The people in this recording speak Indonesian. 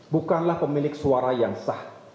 bukanlah pemilik suara yang sah